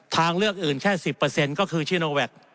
ทางเลือกอื่นแค่๑๐เปอร์เซ็นต์ก็คือชีโนแวค